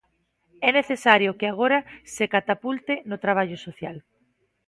É necesario que agora se catapulte no traballo social.